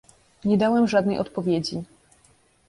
"Nie dałem żadnej odpowiedzi."